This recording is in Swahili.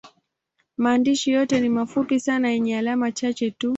Maandishi yote ni mafupi sana yenye alama chache tu.